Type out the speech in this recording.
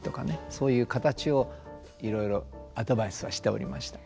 そういう形をいろいろアドバイスをしておりました。